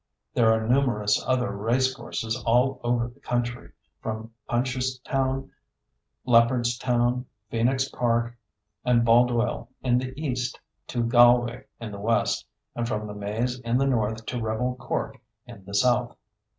There are numerous other race courses all over the country, from Punchestown, Leopardstown, Phoenix Park, and Baldoyle in the east to Galway in the west, and from The Maze in the north to rebel Cork in the south.